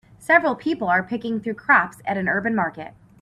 Several people are picking through crops at an urban market.